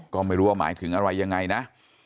ก็ไม่รู้ว่าหมายถึงอะไรยังไงนะ